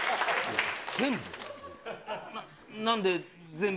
全部？